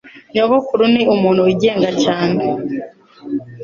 Nyogokuru ni umuntu wigenga cyane.